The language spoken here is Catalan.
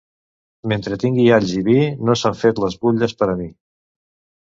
Mentre tingui alls i vi no s'han fet les butlles per a mi.